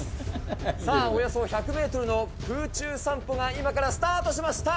さあ、およそ１００メートルの空中散歩が今からスタートしました。